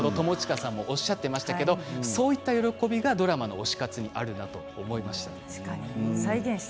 先ほど友近さんもおっしゃっていましたが、そういう喜びがドラマの推し活にあるなと思いました。